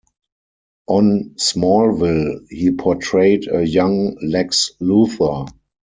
On "Smallville", he portrayed a young Lex Luthor.